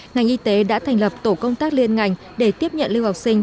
ngành y tế đã thành lập tổ công tác liên ngành để tiếp nhận lưu học sinh